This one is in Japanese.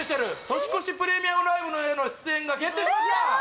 年越しプレミアライブ」への出演が決定しました